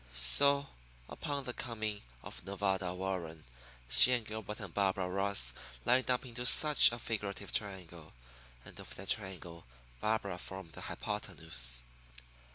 So, upon the coming of Nevada Warren, she and Gilbert and Barbara Ross lined up into such a figurative triangle; and of that triangle Barbara formed the hypotenuse.